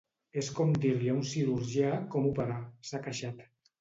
És com dir-li a un cirurgià com operar, s’ha queixat.